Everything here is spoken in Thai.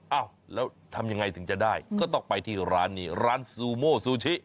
เอ้าแล้วทำยังไงถึงจะได้ก็ต้องไปที่ร้านนี้ร้านซูโมซูชิ